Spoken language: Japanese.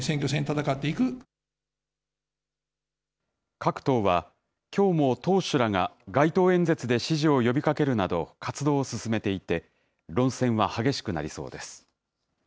各党は、きょうも党首らが街頭演説で支持を呼びかけるなど、活動を進めていて、論戦は激しくなりそうです。